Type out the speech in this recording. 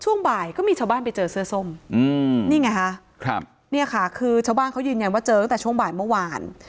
ช่วงบ่ายก็มีชาวบ้านไปเจอเสื้อส้มนี่ไงฮะครับเนี่ยค่ะคือชาวบ้านเขายืนยันว่าเจอตั้งแต่ช่วงบ่ายเมื่อวาน